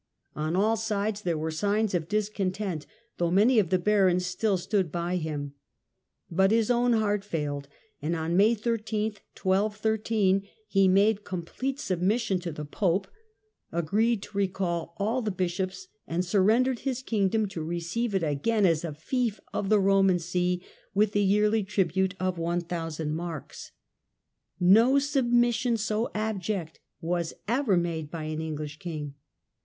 On all sides there were signs of discontent, though many of the barons still stood by him. But his own heart failed, and on May 13, 12 13, he made complete sub mission to the pope, agreed to recall all the bishops, and surrendered his kingdom to receive it again as a fief of ^he Roman See, with the yearly tribute of 1000 marks. No submission so abject was ever made by an English i^ing.